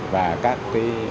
và các cái